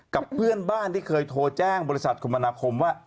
กับเพื่อนบ้านที่เคยโทรแจ้งบริษัทคมนาคมว่า